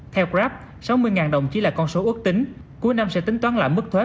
theo grab sáu mươi đồng chỉ là con số ước tính cuối năm sẽ tính toán lại mức thuế